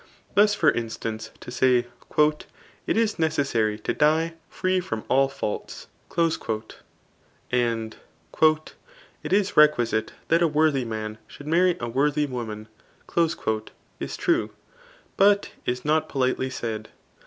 Thus for instance, to say, It is necessary to die free from all faults ;" and " It is requisite that a worthy man should marry a worthy woman," ps true,] but is not politely said.